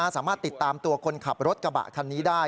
สามารถติดตามตัวคนขับรถกระบะคันนี้ได้